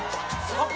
あっ！